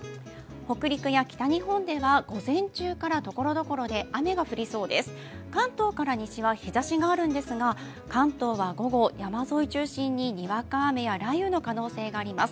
北陸や北日本では、ところどころで雨が降りそうです、関東から西は日ざしがあるんですが関東は午後、山沿いを中心ににわか雨や雷雨の可能性があります